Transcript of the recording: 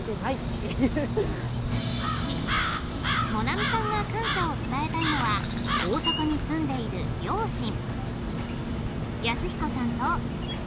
萌菜見さんが感謝を伝えたいのは大阪に住んでいる両親。